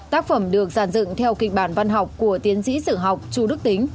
tác phẩm được giàn dựng theo kịch bản văn học của tiến sĩ sử học chu đức tính